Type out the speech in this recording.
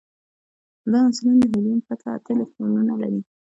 دا عنصرونه له هیلیوم پرته اته الکترونونه لري.